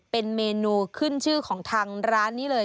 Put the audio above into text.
เป็นเมนูขึ้นชื่อของทางร้านนี้เลย